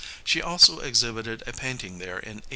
She also exhibited a painting there in 1880.